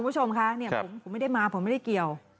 คุณผู้ชมคะผมไม่ได้มาผมไม่ได้เกี่ยว